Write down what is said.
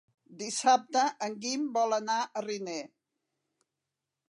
Dissabte en Guim vol anar a Riner.